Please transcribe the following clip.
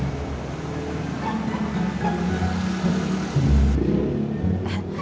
dari yati pak